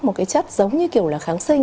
một cái chất giống như kiểu là kháng sinh